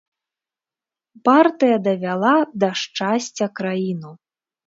Партыя давяла да шчасця краіну.